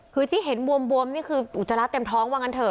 คือที่เห็นบวมนี่คืออุจจาระเต็มท้องว่างั้นเถ